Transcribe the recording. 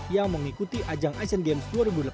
yang mengikuti ajang asian games dua ribu delapan belas